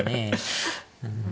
うん。